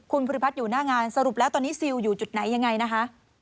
คุณภูริพัฒน์อยู่หน้างานสรุปแล้วตอนนี้ซิลอยู่จุดไหนยังไงนะคะ